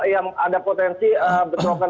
yang ada potensi berterokan